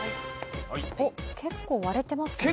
おっ結構割れてますね。